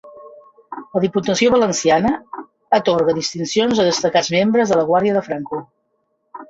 La Diputació valenciana atorga distincions a destacats membres de la guàrdia de Franco